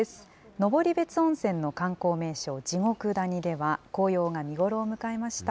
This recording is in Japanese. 登別温泉の観光名所、地獄谷では、紅葉が見頃を迎えました。